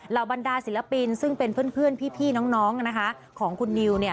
บรรดาศิลปินซึ่งเป็นเพื่อนพี่น้องของคุณนิว